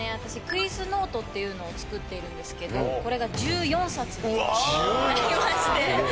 私クイズノートっていうのを作っているんですけどこれが１４冊になりまして。